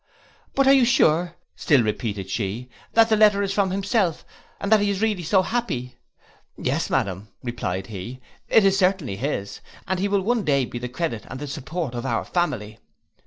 'But are you sure,' still repeated she, 'that the letter is from himself, and that he is really so happy?'—'Yes, Madam,' replied he, 'it is certainly his, and he will one day be the credit and the support of our family!